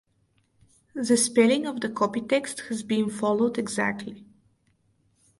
The spelling of the copy-text has been followed exactly.